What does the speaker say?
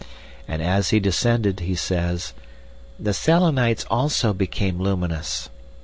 And as he descended, he says, "The Selenites also became luminous."